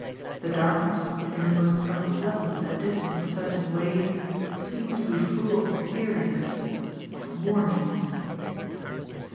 The darkness, in a most unpleasant and disconcerting way, seemed to be full of eeriness, of warnings.